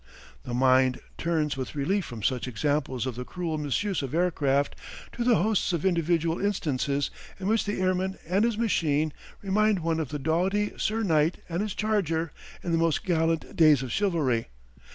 The mind turns with relief from such examples of the cruel misuse of aircraft to the hosts of individual instances in which the airman and his machine remind one of the doughty Sir Knight and his charger in the most gallant days of chivalry.